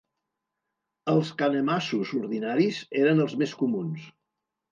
Els canemassos ordinaris eren els més comuns.